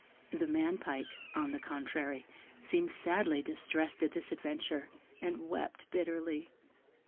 The man pike, on the contrary, seemed sadly distressed at this adventure, and wept bitterly.